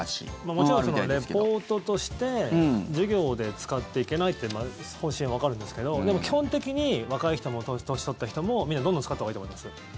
もちろん、リポートとして授業で使っていけないって方針はわかるんですけどでも、基本的に若い人も年取った人もみんなどんどん使ったほうがいいと思います。